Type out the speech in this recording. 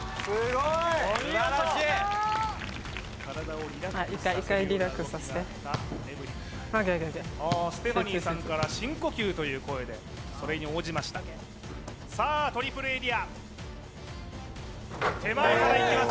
ＯＫＯＫステファニーさんから深呼吸という声でそれに応じましたさあトリプルエリア手前からいきます